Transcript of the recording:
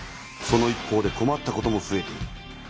その一方で困ったこともふえている。